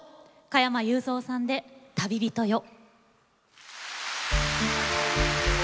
加山雄三さんで「旅人よ」。